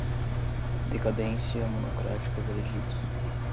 decadência, monocrática, veredito